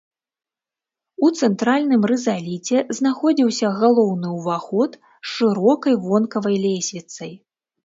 У цэнтральным рызаліце знаходзіўся галоўны ўваход з шырокай вонкавай лесвіцай.